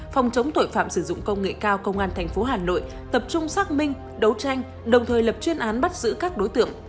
phòng chống tội phạm sử dụng công nghệ cao công an tp hà nội tập trung xác minh đấu tranh đồng thời lập chuyên án bắt giữ các đối tượng